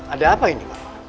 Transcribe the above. ada apa ini pak